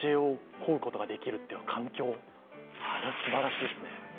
こうことができるという環境はすばらしいですね。